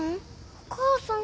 お母さん？